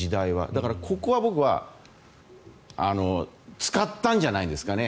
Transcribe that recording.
だから、ここは僕は使ったんじゃないですかね。